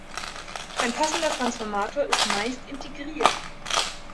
Ein passender Transformator ist meist integriert.